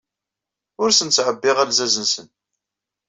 Ur asen-ttɛebbiɣ alzaz-nsen.